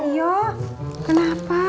kebijakan yang keren